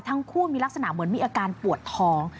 ทั้งคู่มีลักษณะเหมือนมีอาการปวดท้อง